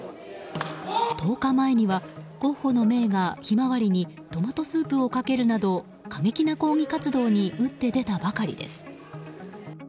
１０日前にはゴッホの名画「ひまわり」にトマトスープをかけるなど過激な抗議活動に打って出たばかりです。